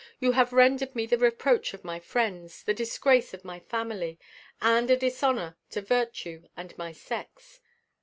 You have rendered me the reproach of my friends, the disgrace of my family and a dishonor to virtue and my sex.